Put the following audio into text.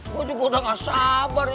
gue juga udah gak sabar